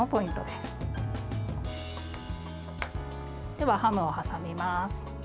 では、ハムを挟みます。